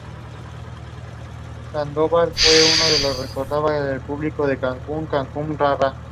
Este proceso se denomina acoplamiento espín-órbita.